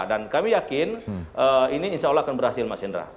dan kami yakin ini insya allah akan berhasil mas indra